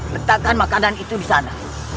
letakkan makanan itu di sana